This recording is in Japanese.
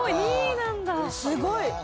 すごい！